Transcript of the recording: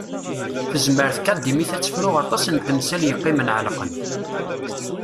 Tezmer tkadimit ad tefru aṭas n temsal yeqqimen ɛelqent.